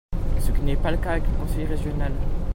ce qui n’est pas le cas avec le conseil régional.